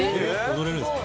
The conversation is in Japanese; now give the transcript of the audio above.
踊れるんですか？